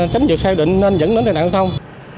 tránh dựa xe định nên dẫn đến tài nạn xong